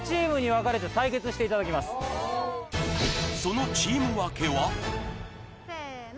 そのチーム分けはせの！